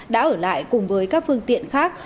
đã ở lại cùng với các phương tiện khác